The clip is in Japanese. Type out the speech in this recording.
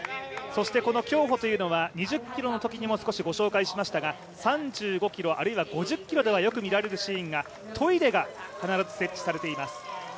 そしてこの競歩というのは、２０ｋｍのときにも紹介しましたが３５ｋｍ、あるいは５０ｋｍではよく見られるシーンがトイレが必ず設置されています。